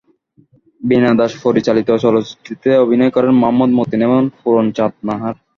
বীণা দাস পরিচালিত চলচ্চিত্রটিতে অভিনয় করেন মুহাম্মাদ মতিন এবং পূরণচাঁদ নাহার।